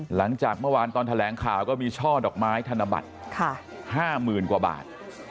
หลังจากเมื่อวานตอนแถลงข่าวก็มีช่อดอกไม้ธนบัตร๕๐๐๐กว่าบาท